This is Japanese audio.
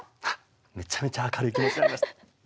めちゃめちゃ明るい気持ちになりました。